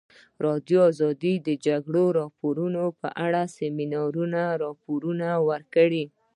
ازادي راډیو د د جګړې راپورونه په اړه د سیمینارونو راپورونه ورکړي.